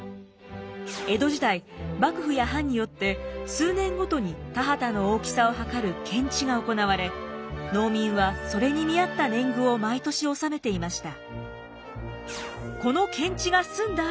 江戸時代幕府や藩によって数年ごとに田畑の大きさをはかる検地が行われ農民はそれに見合った年貢を毎年納めていました。